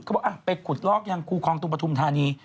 บอกไปขุดลอกยังคูคลองตรงปฐุมธานี